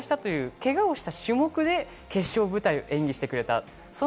けがをした種目で決勝舞台で演技してくれた。